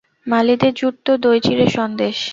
মালীদের জুটত দই চিঁড়ে সন্দেশ।